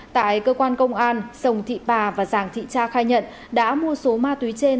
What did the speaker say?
tại cơ quan công an sồng thị bà và giàng thị cha khai nhận đã mua số ma túy trên